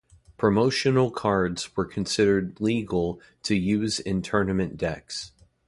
Promotional cards were considered legal to use in tournament decks.